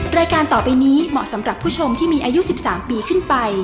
รายการต่อไปนี้เหมาะสำหรับผู้ชมที่มีอายุ๑๓ปีขึ้นไป